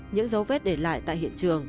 những dấu vết để lại tại hiện trường